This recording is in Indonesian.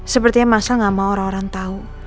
sepertinya masal gak mau orang orang tau